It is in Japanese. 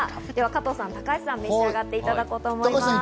加藤さん、高橋さん、召し上がっていただこうと思います。